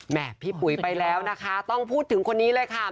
พี่ปุ๋ยไปแล้วนะคะต้องพูดถึงคนนี้เลยค่ะ